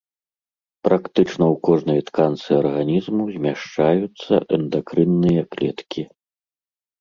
Практычна ў кожнай тканцы арганізму змяшчаюцца эндакрынныя клеткі.